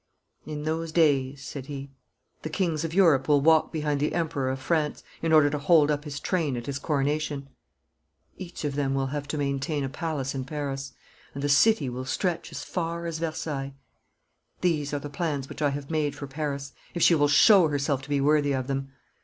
'In those days,' said he, 'the kings of Europe will walk behind the Emperor of France in order to hold up his train at his coronation. Each of them will have to maintain a palace in Paris, and the city will stretch as far as Versailles. These are the plans which I have made for Paris if she will show herself to be worthy of them.